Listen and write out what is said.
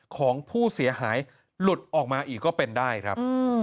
ของผู้เสียหายหลุดออกมาอีกก็เป็นได้ครับ